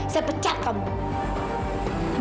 saya pecat kamu